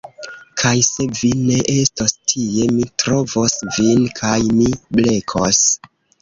Kaj se vi ne estos tie mi trovos vin kaj mi blekos